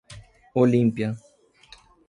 Olímpia